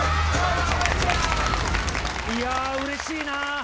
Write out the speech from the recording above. いやうれしいな。